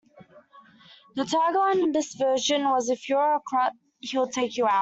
The tagline on this version was If you're a kraut, he'll take you out!